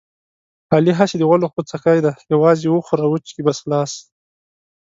علي هسې د غولو غوڅکی دی یووازې وخوري وچکي بس خلاص.